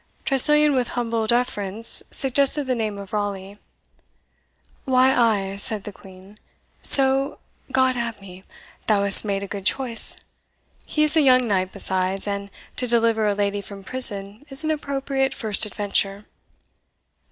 Tressilian, with humble deference, suggested the name of Raleigh. "Why, ay," said the Queen; "so God ha' me, thou hast made a good choice. He is a young knight besides, and to deliver a lady from prison is an appropriate first adventure.